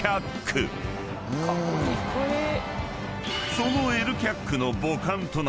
［その］